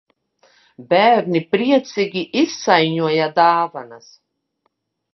Bērni priecīgi izsaiņoja dāvanas.